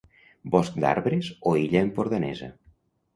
Bosc d'arbres o illa empordanesa.